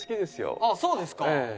あっそうですか？